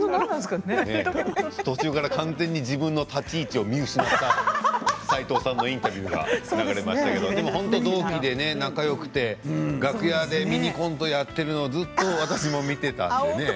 途中から自分の立ち位置を見失った斉藤さんのインタビューが流れましたけれど本当に同期仲よくて楽屋でミニコントをやってるのをずっと私も見ていたというね。